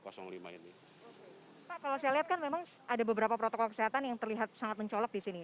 pak kalau saya lihat kan memang ada beberapa protokol kesehatan yang terlihat sangat mencolok di sini